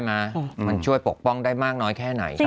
มันช่วยปกป้องได้มากน้อยแค่ไหน